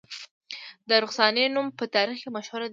د رخسانې نوم په تاریخ کې مشهور دی